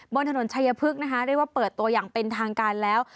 บนถนนชัยพฤกษ์นะคะเรียกว่าเปิดตัวอย่างเป็นทางการแล้ว